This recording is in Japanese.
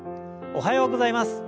おはようございます。